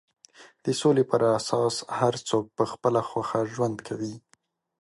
د سولې پر اساس هر څوک په خپله خوښه ژوند کوي.